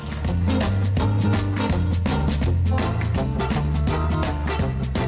ตั้งแต่พศ๑๕๓๘